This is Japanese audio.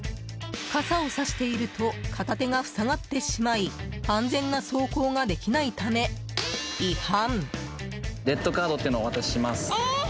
傘をさしていると片手が塞がってしまい安全な走行ができないため違反。